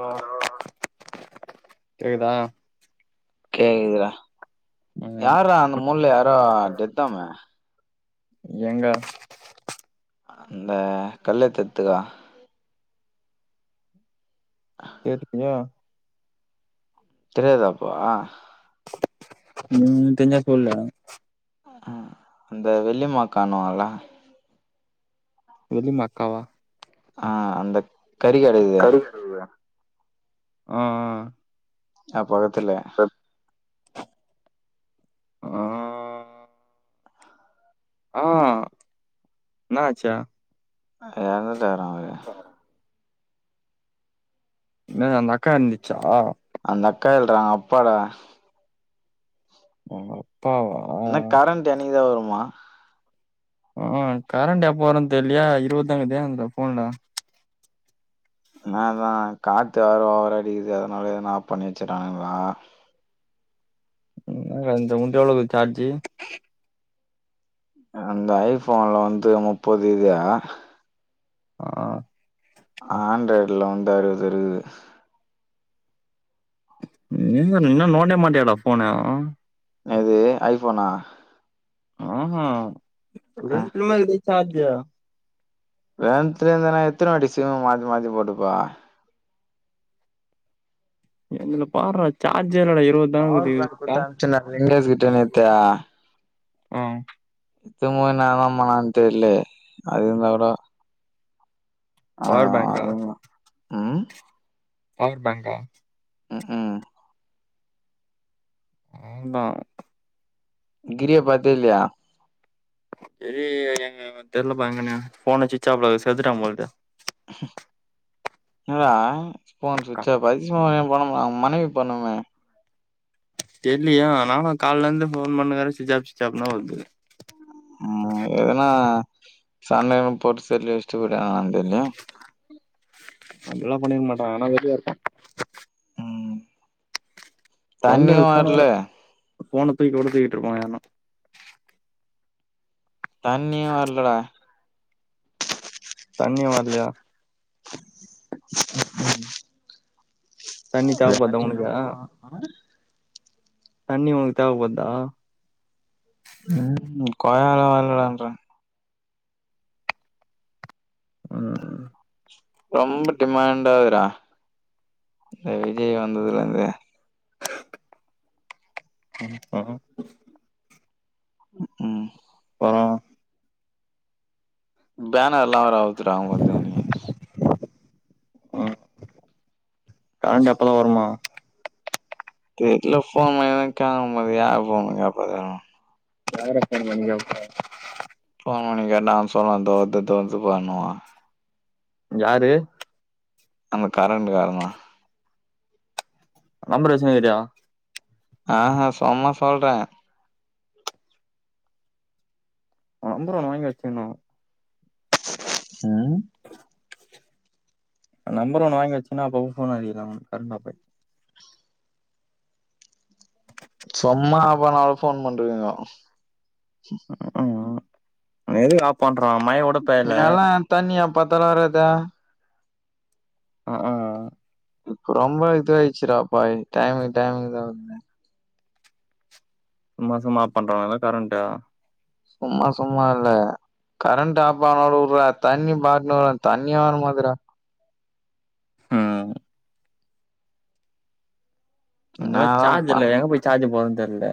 ஆ ஆ கேக்குதா கேக்குதுரா ம் யார்ரா அந்த மூலையில யாரோ டெத்தாமே எங்க அந்த கள்ள தெத்துதா கேட்டுப்பியா தெரியாதாபா ம் தெரிஞ்சா சொல்லு ம் அந்த வெள்ளிமாக்காணுல வெள்ளிமாக்காவா ஆ அந்த கறி கட இருக்குதுல ம்ம் அது பக்கத்துல ஆ ஆ என்னாச்சு இறந்துட்டாரா ஆ என்னது அந்த அக்கா இறந்துச்சா அந்த அக்கா இல்லறா அவுங்க அப்பாடா அவுங்க அப்பாவா என்ன கரண்ட் என்னிக்கு தா வருமா ம் கரண்ட் எப்போ வரு தெரியலயே இருபது தா இருக்குது இந்த போன்ல அதா அதா காத் வேற ஓவரா அடிக்குது அதுனாலயோ என்னமோ ஆஃப் பண்ணி வச்சு இருக்காங்களா என்னடா இந்த உண்ட எவ்ளோ இருக்கு சார்ஜி அந்த ஐ போன்ல வந்து முப்பது இருக்குது ஆ ஆண்ட்ராய்ட்ல வந்து அறுபது இருக்குது நீ இன்ன நீ தா நோன்டவே மாட்டியடா போன்னு அது ஐ போனா ம்ம் ரெண்டுத்துலயுமே இருக்குது சார்ஜி [unintelligible] இருந்தன எத்தன வாட்டி சிம்ம மாத்தி மாத்தி போட்டுக்கவா என்னதுல பார்டா சார்ஜே இல்லடா இருவது பவர் பேங் குடுத்து அனுப்புச்சனே விக்னேஷ் கிட்ட நேத்து ம்ம் [unintelligible] பண்ணானு தெரிலயே அது இருந்த கூட அதா பவர் பேங்கா அதுவும் ம் பவர் பேங்கா ம்ம் க்கு ம் அவந்தா கிரிய பாத்தியா இல்லயா தெர்லப்பா எங்கனு போனு சுவிட்ச் ஆஃப்ல இருக்குது செத்துட்டா போலருக்குது என்னறா போன் கா- ஸ்சுட்ஆப் ஆயி போனே பண்ண மாட்ட அவ மனைவி பண்ணுமே தெரிலயே நானு கால்ல இருந்து போன் பண்ணுட்டு இருக்குற ஸ்விட்ச் ஆஃப் ஸ்விட்ச் ஆஃப் தா வருது ம் எங்கன்னா சண்டன்னு போட்டு செல்ல வச்சுட்டு போயிட்டானானு தெர்ல அப்டி எல்லா பண்ணிருக்க மாட்டா எங்கன்னா வெளிய இருப்பா ம் சொந்த தண்ணியு ஃபோன வர்ல கூட ஃபோன தூக்கி ஒடச்சிகிட்டு இருப்பாங்க யாருனா தண்ணியே வர்லடா தண்ணி வர்லயா? ம்ம் தண்ணி தேவைப்படுதா வராட்டி என்ன உனக்கு பண்ணலா தண்ணி உனக்கு தேவ படுதா ம் கொழால வரலன்ற ம் ரொம்ப டிமாண்டா இருக்குறா இந்த விஜய் வந்ததுலருந்து ம் அ ம்ம் அப்பறோ பேனர்ல்லா வேற அவுத்துட்டாங்க அவங்க வந்து இனி ம் கரண்ட் எப்பதா வருமா தெர்ல ஃபோன் பண்ணிதா கேக்கணு போலருக்குது யார் பண்ணி கேப்பா யாரா ஃபோன் பண்ணி கேப்ப ஃபோன் பண்ணி கேட்டா அவ சொல்லுவா இதோ வருது இதோ வருதுப்பாண்ணுவா யாரு அந்த கரெண்டுக்காரந்தா நம்பர் வச்சுகினுருக்கியா ஆஹ சும்மா சொல்றே நம்பர் ஒன்னு வாங்கி வச்சிக்னு ம் நம்பர் ஒன்னு வாங்கி வச்சின்னா அப்பப்ப ஃபோன் அடிக்கலா கரண்ட் ஆஃப் ஆயிட் சொம்மா அப்பனானு ஃபோன் பண்ட்டுருக்காங்க ம்ம் எதுக்கு ஆஃப் பண்றா மழ கூட பேயல தண்ணி எப்பபாத்தாலு வராதா ம் ம் இப்ப ரொம்ப இதுவாயிருச்சிடா இப்ப டைமுக்கு டைம் இதாவுது சும்மா சும்மா பண்றானுங்கல்ல கரண்ட்டா சும்மா சும்மா இல்ல கரண்ட் ஆப் ஆனா கூட வுட்றா தண்ணி பாத்துனுக்குற தண்ணியே வர மாட்டுதுடா ம் இதுல வேற என்னாதா சார்ஜ் பண்ண இல்ல எங்க போய் சார்ஜ் போட்றதுன்னு தெர்ல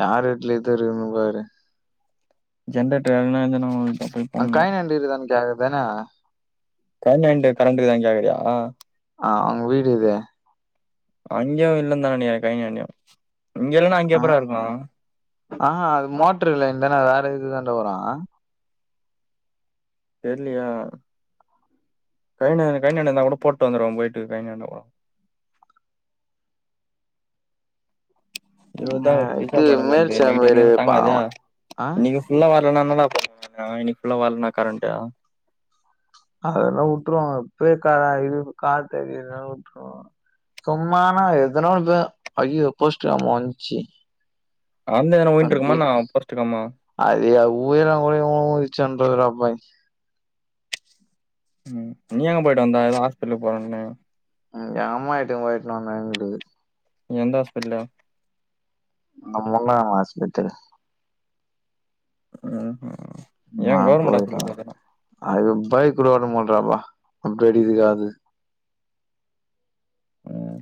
யார் வீட்ல இது இருக்குனு பாரு ஜெனரேட்டர் எதனா எங்கனா ஓடு அங்க கடைய்னாண்ட இருக்குதானு கேக்க வேண்டியதானா கடைய்னாண்ட கரண்ட் இருக்குதானு கேக்றியா ஆ அவங்க வீடு எது அங்கையு இல்லன்னுதானே இருக்காங்க அங்கயு இங்க இல்லனா அங்க எப்புட்றா இருக்கு ஆ அது மோட்ரு லையன்தான வேற இதுதான்டா வரு தெரிலயே கடைனு கடைனுயாண்ட இந்தா கூட போட்டு வந்துருவ போய்ட்டு கடையினாண்ட கூட இருவதுதா அ இருக்கு ஸ்விட்ச் இது ஆஃப் ஆயிடு மேல் போலக்குது நைட் சேம்பேடு வரைக்கு தாங்காதா பாக்கலாம். ஆ இன்னிக்கு ஃபுல்லா வர்லனா என்னடா பண்ணுவ நா இன்னிக்கு ஃபுல்லா வரலனா கரண்ட்டு அதல்லா உட்ருவாங்க இப்யே க இது காத்து அடிக்கிறனால உட்ருவாங்க சும்மானா எதனா ஒரு இது ஐயோ போஸ்ட்ருவாமா ஒடஞ்ச்சி கரண்ட் எதனா வுழுந்துட்டு இருக்குமா என்னா போஸ்ட் கம்பம் அது எ வுழனாக்கூட இவுனுவோ வுழுஞ்சிச்சின்ற போறானுங்க ம் நீ எங்க போயிட்டு வந்த ஏதோ ஹாஸ்பிட்டலுக்கு போறன்னு ம் எங் அம்மாவ இட்னு போயி இட்னு வந்த எங்க வூட்டுக்கு எந்த ஹாஸ்பெடிட்டலா அந்த முன்னா ஆஸ்பெத்திரி ம் ஹும் நா போயிட்டே அது பைக்கு கூட மாட்டார்ரா முட் அடிக்குது அது ம்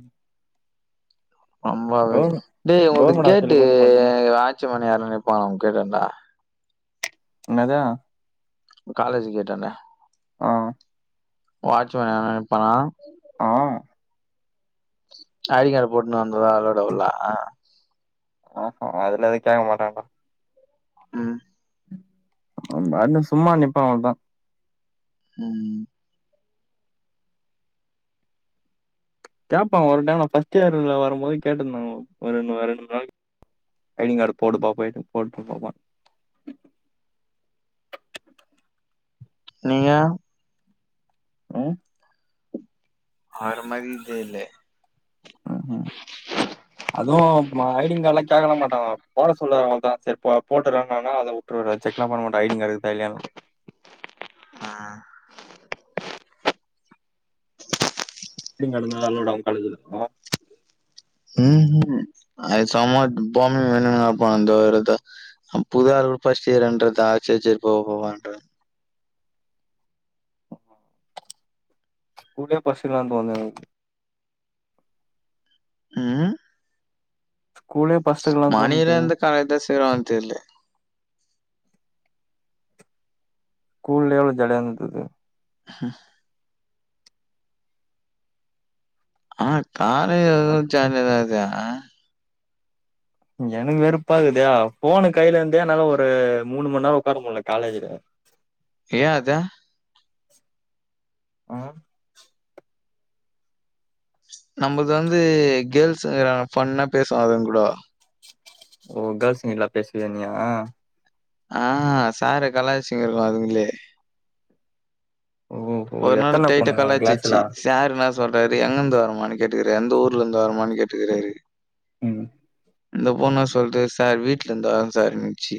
அம்மா கவர் வச்சு டேய் உங்களுக்கு கவர்மெண்ட் கேட்டு ஹாஸ்பிட்டல் கொண்டு பாத்தனா ஆட்சி மணி யார்னா நிப்பானா உங்க கேட்டேடா னெதா ஆ காலேஜ் கேட்டான்ட ஆஹ் வாச்மேன் யாரானா நிப்பானா ஆஹ் ஐடிக்கார்ட போட்னு வந்துருவா அளோடா உள்ள ஆஹ் ஆ ஹா அ அதல அதுக்க ஆக மாட்டேண்டா ம் அந்த ஆனு சும்மா நிப்பா அவ்ளோதா உம் கேட்பா ஒரு டைம் நா ஃபஸ்ட்டு இயர்ல வருபோது கேட்டிருந்தாங்க ஒ ஒரு ரெண்டு மூனு நாளைக்கி ஐடிங் கார்டு போடு பாப்பே போட்டு பாப்பான் நீங்க உம் அவரு மாரி தெர்லே ம் அதுவு மா ஐடிங் கார்ட் எல்லா கேட்கலா மாட்டாங்க போட சொல்லற அவுங்கட செரி போ போட்டுறேனானா அதவு வுட்ருவாரு செக்லாம் பண்ண மாட்டா ஐடிங்கார்டு இருக்குதா இல்லயான்லா ஆஹ் உஹ நீங்க அழுகனு அதோட அவுங்கத்தழுகுது மோ உ ஹூம் அது சும்மா டூபாமி மீனீங்கா இருப்பா அந்த ரத அப்போவே அது ஒரு ஃபர்ஸ்ட்டு இயர்ன்றதா சேரி சேரி போ போ பான்றதா கூடயே பசங்கலான்பாங்க ம் கூடயே பசங்களா தோணுது ஆனா இதுதா சேருவாங்கனு தெர்லே கூல்லே எவ்ளோ ஜாலியா இருந்தது ஹம் [unintelligible] ஆஹ் காலே ஏதாவது ஜாலியாதா இருந்து ஆங் இங்க எனக்கு வெறுப்பா இருக்குதே ஃபோனு கைல இருந்தே என்னால ஒரு மூணு மணி நேரோ உட்கார முடில காலேஜ்லே ஏ அத ம் நம்மளது வந்து கேர்ள்ஸ்க இருக்கிறாங்க ஃபன்னா பேசுவோ அதுங்க கூட ஓ கேர்ள்ஸ்கீட்டலா இல்ல பேசுவியா நீயா ஆஹ் சார கலாய்ச்சினீருக்கு அதுங்களே ஓஹோ ஒரு நாளு எத்தன டைட்டா பொண்ணுங்க உ கலாய்ச்சிச்சி கிளாஸ்ல சாரு என்ன சொல்றாரு எங்க இருந்து வரமானு கேட்டுக்கிறாரு எந்த ஊர்ல இருந்து வரமானு கேட்டுக்கிறாரு ம் இந்த பொண்ணு சொல்லுது சார் வீட்ல இருந்து வரே சார்னுச்சி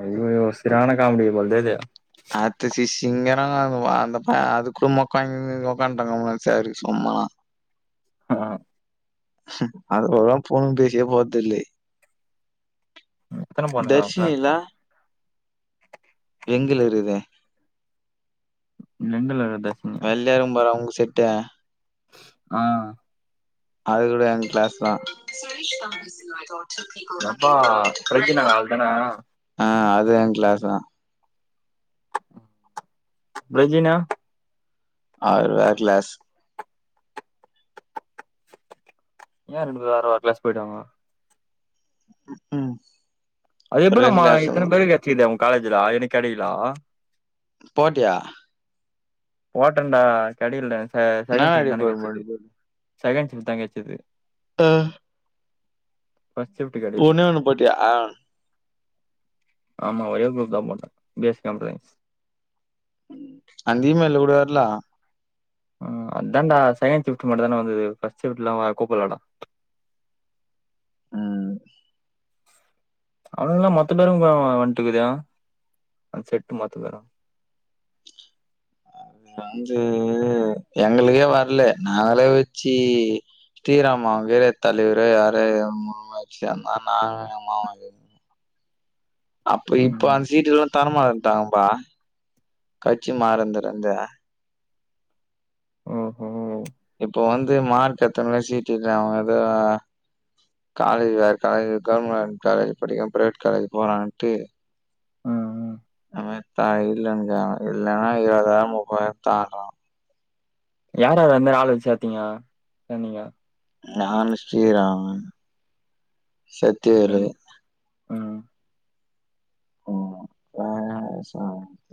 ஐயையோ சரியான காமெடி போல்தேது அடுத்த சி சிங்கர உவ அந்த பையே அதுக்கு மொக்க வாங்கிட்டு உட்கார்ந்துட்டே கம்முனு சரி சும்மனா ஆஹ் ஹீம் அதுங்கலெல்லா ஃபோன் பேசியே பாத்ததில்லை எத்தன பொண்ணுங்க உன் கிளாஸ்ல தர்ஷினிலாம் எங்களுக் இருகுதே [unintelligible] வெள்ளையா இருக்கும் பாரு அவங்க செட்டு ஆ அது கூட எங் கிளாஸ்தா எப்பா பிரஜினாங்க அவள் தான ஆ அது எங் கிளாஸ்தா பிரெஜினா அவர் வேற கிளாஸ் ஏ ரெண்டு பேரு வேற வேற கிளாஸ் பொய்டுவாங்க ம்ஹும் அது எப்புட்றா மா இத்தன பேரு கெச்சிக்குது உங்க காலேஜ்டா எனக் கெடைக்கிலா போட்டியா போட்டன்டா கெடைக்கலடா செ என்னடா செகண்ட்டு ஷிப்ட்தான கெச்சுது டிபார்ட்மெண்ட் போட்ட? செகண்ட் ஷிப்ட்தா கெச்சுது ம் ஃபர்ஸ்ட் ஷிப்ட் கெடைக்து ஒண்ணே ஒண்ணு போட்டியா? ஆ. ஆமா ஒரே குரூப்தா போட்ட B S C computer science அந்த இ மெயில்ல கூட வர்லா ம் அதான்டா செகன்ட் ஷிப்ட் மட்டுதான்டா வந்துது ஃபர்ஸ்ட் ஷிப்ட்லா வ கூப்பலடா ம் அவனுங்களா மொத்த பேருவா வ வந்ட்டுக்குதயா அந்த செட்டு மொத்த பேரு [unintelligible] எங்களுக்கே வரல நாங்களே வச்சு தீராமா வீர தலைவர் [unintelligible] அப்ப இப்ப ம் அந்த சீட்டுக்லா தரமாட்டன்டாங்பா கட்சி மாறந்திலிருந்து ஓஹோ இப்ப வந்து மார்க் எடுத்தவங்களுக் சீட் இருக்குறாம எதோ காலேஜ் வேற காலேஜ் கவர்மெண்ட் காலேஜ் படிக்காம பிரவேட் காலேஜ் போலான்ட்டு ம் ம். நமக்தா இல்லன்ங்றாங்க இல்லன்னா இருவதாயிரோ முப்பதாயிரோ தான்றா யார் யார் அந்த நாள் வந்து சேத்திங்கோ சேந்திங்கொ நானு ஸ்ரீராமன் சக்திவேல் ரெண்டு- ம் ஓ [unintelligible]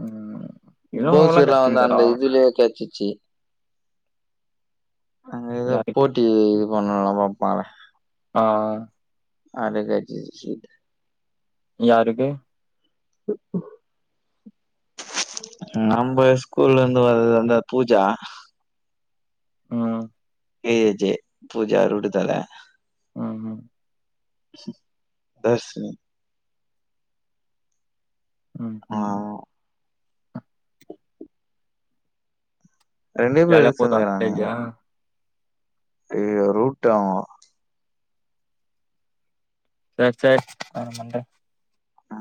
ம் [unintelligible] ப்ப கெச்சிச்சி அங்க எதோ யாருக்கு போட்டி இது பண்றாங்ளா போப்பற ஆ அவனுக் கெச்சிது சீட் யாருக்கு [inaudible] ம் நம்ப ஸ்கூல்ல இருந்து வருது அந்த பூஜா ம் A I J Pooja route தல ம் ம் [unintelligible] ம் ஆ ம் ரெண்டு பேர் எது ஜாலியாக போதா சேந்துக்குரானுங்க காலேஜா ஏயா ரூட்டு அவ சர் சர் அப்றம் பண்றே ஆ